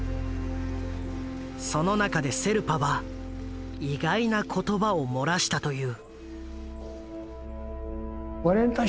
その中でセルパは意外な言葉を漏らしたという。